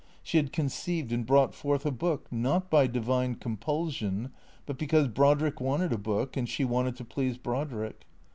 She had conceived and brought forth a book, not by divine compulsion, but because Brodrick wanted a book and she wanted to please Brodrick.